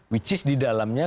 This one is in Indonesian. which is di dalamnya